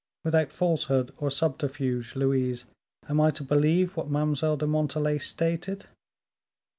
Without falsehood or subterfuge, Louise, am I to believe what Mademoiselle de Montalais stated?